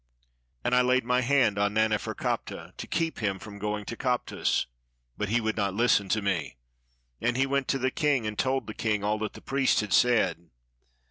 And I laid my hand on Nane ferkaptah, to keep him from going to Koptos, but he would not listen to me; and he went to the king, and told the king all that the priest had said.